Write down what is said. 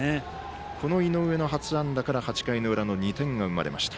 井上の初安打から８回の２点が生まれました。